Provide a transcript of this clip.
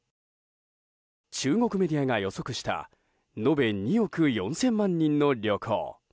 中国メディアが予測した延べ２億４０００万人の旅行。